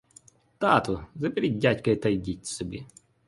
Тату, заберіть дядька та йдіть собі.